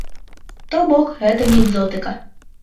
То бок, гэта не экзотыка.